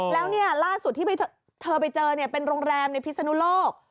แล้วล่าสุดที่เธอไปเจอเป็นโรงแรมในพิศนุโลก